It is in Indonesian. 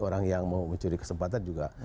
orang yang mau mencuri kesempatan juga